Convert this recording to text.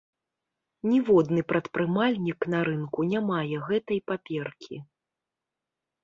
Ніводны прадпрымальнік на рынку не мае гэтай паперкі.